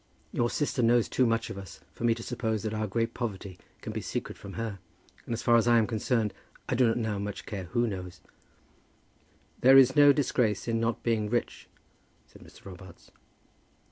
Your sister knows too much of us for me to suppose that our great poverty can be secret from her. And, as far as I am concerned, I do not now much care who knows it." "There is no disgrace in not being rich," said Mr. Robarts.